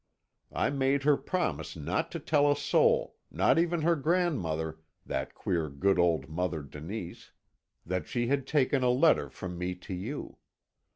I made her promise not to tell a soul, not even her grandmother, that queer, good old Mother Denise, that she had taken a letter from me to you.